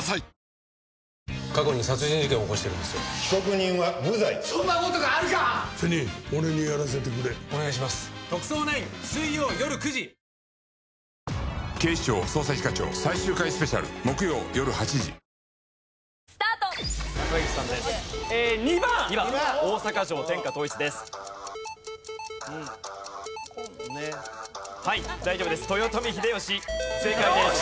はい大丈夫です。